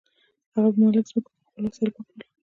هغه به د مالک ځمکه په خپلو وسایلو پاکوله.